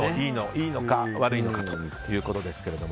いいのか悪いのかということです。